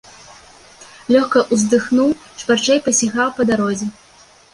Лёгка ўздыхнуў, шпарчэй пасігаў па дарозе.